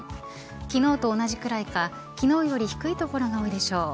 昨日と同じくらいか昨日より低い所が多いでしょう。